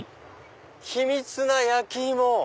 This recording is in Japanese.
「秘蜜な焼き芋」！